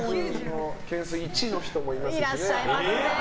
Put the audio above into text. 懸垂１の人もいますね。